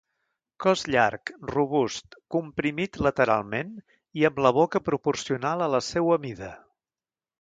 Cos llarg, robust, comprimit lateralment i amb la boca proporcional a la seua mida.